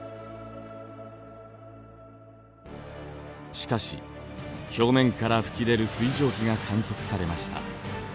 しかし表面から吹き出る水蒸気が観測されました。